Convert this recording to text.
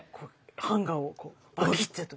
ハンガーをこうバキッと。